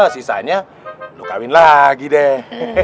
sisanya lu kawin lagi deh